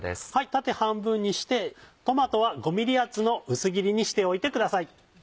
縦半分にしてトマトは５ｍｍ厚の薄切りにしておいてください。